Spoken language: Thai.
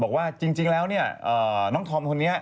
บอกว่าจริงแล้วน้องทอมคนนี้